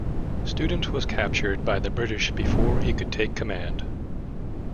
Student was captured by the British before he could take command.